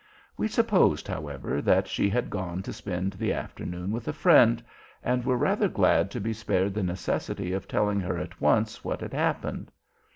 We supposed, however, that she had gone to spend the afternoon with a friend, and were rather glad to be spared the necessity of telling her at once what had happened.